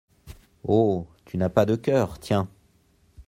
Oh ! tu n'as pas de coeur, tiens !